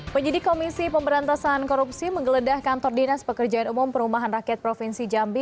penyidik komisi pemberantasan korupsi menggeledah kantor dinas pekerjaan umum perumahan rakyat provinsi jambi